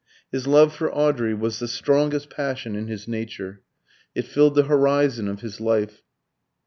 His love for Audrey was the strongest passion in his nature. It filled the horizon of his life.